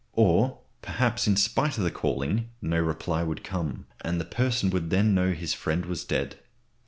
Or, perhaps, in spite of all the calling, no reply would come, and the person would then know his friend was dead.